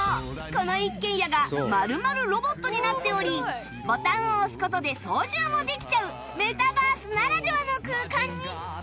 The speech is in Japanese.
この一軒家が丸々ロボットになっておりボタンを押す事で操縦もできちゃうメタバースならではの空間に